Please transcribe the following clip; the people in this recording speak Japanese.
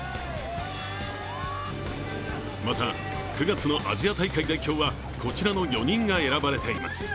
また、９月のアジア大会代表は、こちらの４人が選ばれています。